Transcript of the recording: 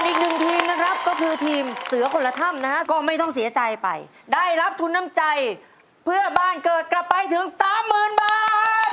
อีกหนึ่งทีมนะครับก็คือทีมเสือคนละถ้ำนะฮะก็ไม่ต้องเสียใจไปได้รับทุนน้ำใจเพื่อบ้านเกิดกลับไปถึงสามหมื่นบาท